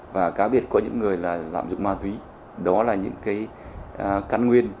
và khác biệt có những người là lạm dụng ma túy đó là những cái căn nguyên